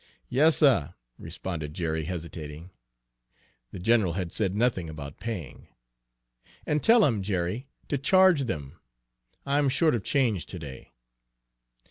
"Yas, suh," responded Jerry, hesitating. The general had said nothing about paying. "And tell him, Jerry, to charge them. I'm short of change to day."